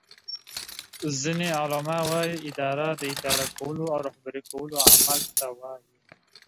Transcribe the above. ځینی علما وایې اداره داداره کولو او رهبری کولو عمل ته وایي